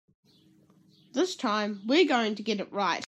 This time we're going to get it right.